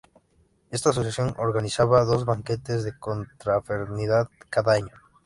Esta asociación organizaba dos banquetes de confraternidad cada año.